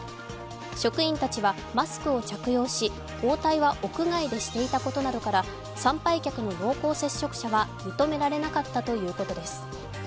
職員たちはマスクを着用し応対は屋外でしていたことなどから参拝客の濃厚接触者は認められなかったということです。